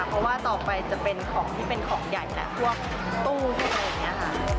เพราะว่าต่อไปจะเป็นของที่เป็นของใหญ่และพวกตู้อะไรอย่างนี้ค่ะ